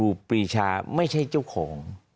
ปรีชาไม่ใช่เจ้าของ